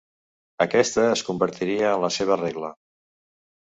Aquesta es convertiria en la seva regla.